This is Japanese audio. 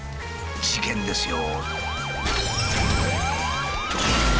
事件ですよ。